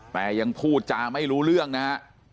แต่ยังพูดจาไม่รู้เรื่องนะฮะ